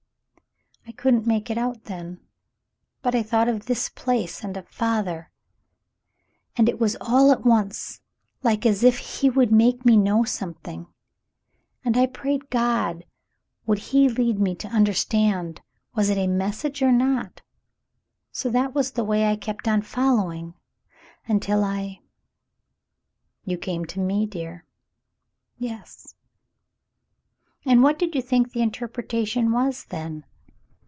" "I couldn't make it out then, but I thought of this place and of father, and it was all at once like as if he would 204 The Mountain Girl make me know something, and I prayed God would he lead me to understand was it a message or not. So that was the way I kept on following — until I —" "You came to me, dear ?" "Yes.'* "And what did you think the interpretation was then